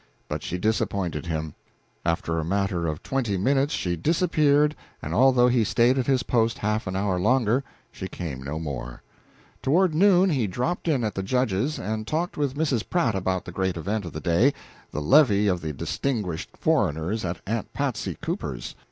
But she disappointed him. After a matter of twenty minutes she disappeared, and although he stayed at his post half an hour longer, she came no more. Toward noon he dropped in at the Judge's and talked with Mrs. Pratt about the great event of the day, the levee of the distinguished foreigners at Aunt Patsy Cooper's.